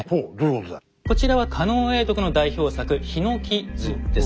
こちらは狩野永徳の代表作「檜図」です。